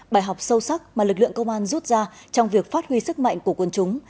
bài học sâu sắc mà lực lượng công an rút ra trong việc phát huy sức mạnh của quân chúng